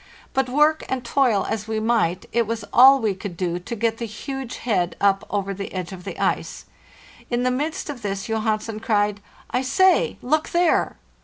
But work and toil as we might, it was all we could do to get the huge head up over the edge of the ice. In the midst of this Johansen cried, "I say, look there!"